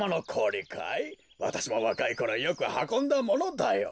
わたしもわかいころよくはこんだものだよ。